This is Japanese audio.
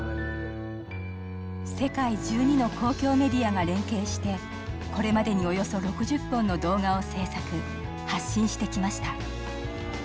世界１２の公共メディアが連携してこれまでにおよそ６０本の動画を制作発信してきました。